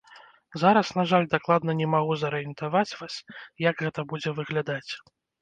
Зараз, на жаль, дакладна не магу зарыентаваць вас, як гэта будзе выглядаць.